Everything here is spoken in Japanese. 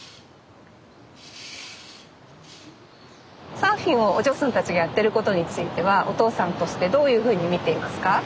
サーフィンをお嬢さんたちがやってることについてはお父さんとしてどういうふうに見ていますか？